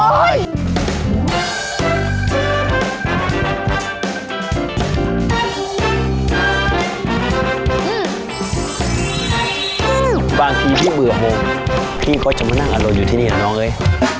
อื้อบางทีพี่เบื่อโมงพี่ก็จะไม่นั่งอร่อยอยู่ที่นี่เหรอน้องเอ๊ย